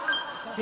え？